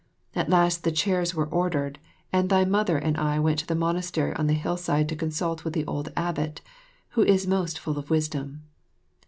At last the chairs were ordered, and thy Mother and I went to the monastery on the hillside to consult with the old abbot, who is most full of wisdom.